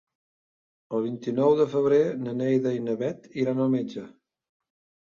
El vint-i-nou de febrer na Neida i na Bet iran al metge.